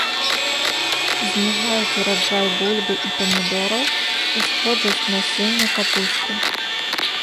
Зніжаюць ураджай бульбы і памідораў, усходжасць насення капусты.